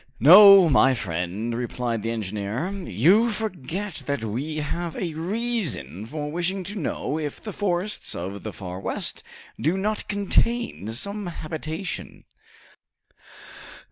"No, my friend," replied the engineer; "you forget that we have a reason for wishing to know if the forests of the Far West do not contain some habitation.